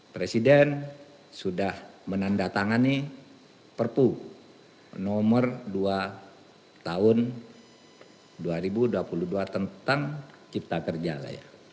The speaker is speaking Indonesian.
presiden sudah menandatangani perpu nomor dua tahun dua ribu dua puluh dua tentang cipta kerja